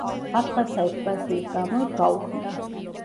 აფხაზთა ექსპანსიის გამო ის გაუქმდა.